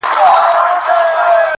تکرار یې د قلم تقدس ته سپکاوی دی -